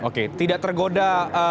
oke tidak tergoda